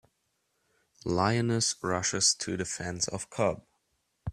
Lioness Rushes to Defense of Cub.